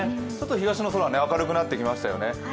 ちょっと東の空、明るくなってきましたよね。